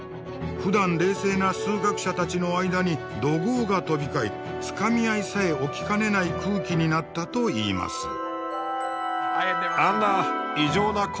ふだん冷静な数学者たちの間に怒号が飛び交いつかみ合いさえ起きかねない空気になったといいます。